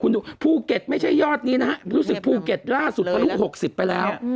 คุณดูภูเก็ตไม่ใช่ยอดนี้นะฮะรู้สึกภูเก็ตล่าสุดทะลุ๖๐ไปแล้ว